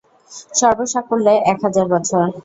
সর্বসাকুল্যে এক হাজার বছর।